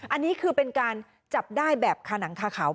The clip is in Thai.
อันนี้คือเป็นการจับได้แบบคาหนังคาขาว